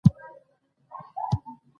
وخت د هر انسان لپاره محدود دی